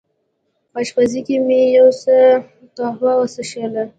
په اشپزخانه کې مې یو څه قهوه وڅېښل.